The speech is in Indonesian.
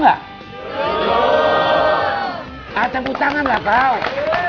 atau kutangan lah pak